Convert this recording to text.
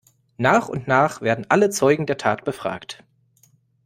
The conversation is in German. Nach und nach werden alle Zeugen der Tat befragt.